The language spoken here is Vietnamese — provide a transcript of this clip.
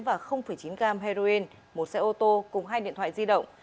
và chín gram heroin một xe ô tô cùng hai điện thoại di động